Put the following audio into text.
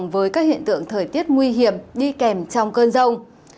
với các hiện tượng thời tiết nguy hiểm đi kèm trong cơn rông